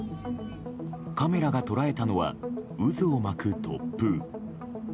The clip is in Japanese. カメラが捉えたのは渦を巻く突風。